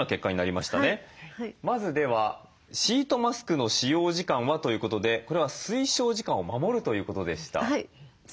まずでは「シートマスクの使用時間は？」ということでこれは「推奨時間を守る」ということでした。